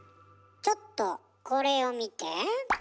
ちょっとこれを見て。